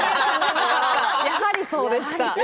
やはりそうでした。